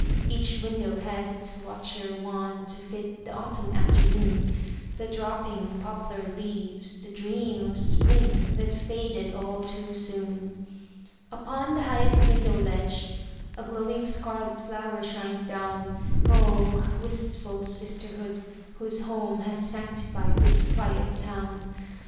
Each window has its watcher wan To fit the autumn afternoon, The dropping poplar leaves, the dream Of spring that faded all too soon. Upon the highest window ledge A glowing scarlet flower shines down. Oh, wistful sisterhood, whose home Has sanctified this quiet town!